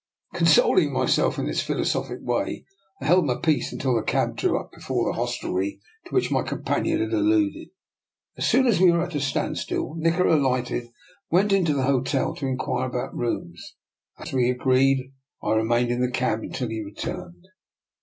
Consoling myself in this philosophic way, I held my peace until the cab drew up before the hostelry to which my companion had alluded. As soon as we were at a standstill, Nikola alighted and went into the hotel to in quire about rooms. As we had agreed, I re mained in the cab until he returned.